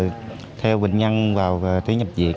mới được theo bệnh nhân vào thủy nhập viện